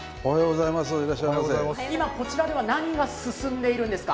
今、こちらでは何が進んでいるんですか？